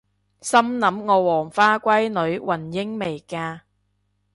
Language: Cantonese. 心諗我黃花閨女雲英未嫁！？